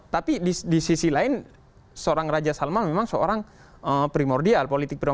tapi disisi lain seorang raja salman memang seorang primordial